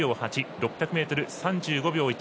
６００ｍ、３５秒１。